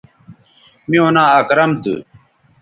میوں ناں اکرم تھو